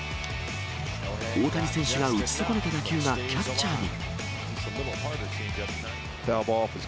大谷選手が打ち損ねた打球がキャッチャーに。